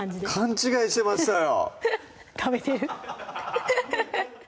勘違いしてましたよ